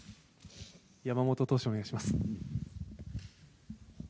山本投手、お願いします。